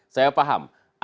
pulangnya apa jam berapa